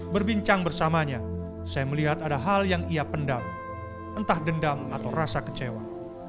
berbincang bersamanya saya melihat ada hal yang ia pendam entah dendam atau rasa kecewa